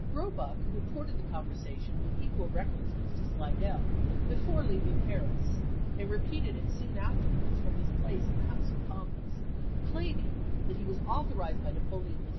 Roebuck reported the conversation with equal recklessness to Slidell before leaving Paris, and repeated it soon afterwards from his place in the House of Commons, claiming that he was authorized by Napoleon III.